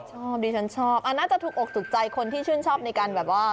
ชอบดิฉันชอบน่าจะถูกอกถูกใจคนที่ชื่นชอบในการแบบว่า